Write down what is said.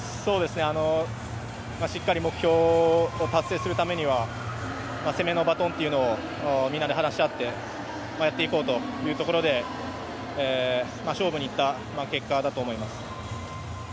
しっかり目標を達成するためには攻めのバトンというのをみんなで話し合ってやっていこうというところで勝負にいった結果だと思います。